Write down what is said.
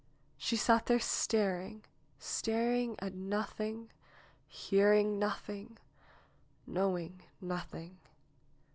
She sat there staring, staring at nothing, hearing nothing, knowing nothing.